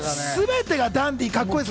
すべてがダンディー。